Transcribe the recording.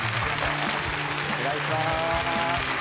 お願いします。